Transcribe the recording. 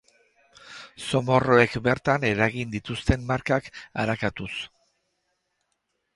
Zomorroek bertan eragin dituzten markak arakatuz.